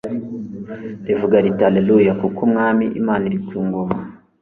rivuga riti : Haleluya, kuko Umwami Imana iri ku ngoma!